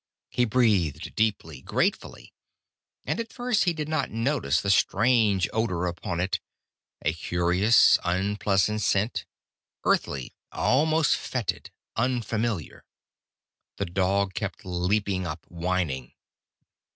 He breathed deeply, gratefully. And at first he did not notice the strange odor upon it: a curious, unpleasant scent, earthly, almost fetid, unfamiliar. The dog kept leaping up, whining.